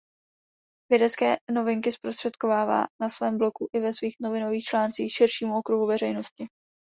Vědecké novinky zprostředkovává na svém blogu i ve svých novinových článcích širšímu okruhu veřejnosti.